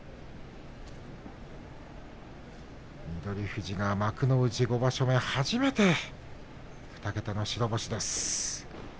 翠富士が幕内５場所目初めて２桁の白星です。